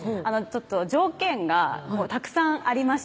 条件がたくさんありまして